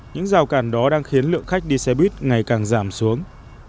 những rào cản đó đang khiến lượng khách đi xe buýt ngày càng giảm xuống